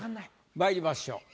まいりましょう。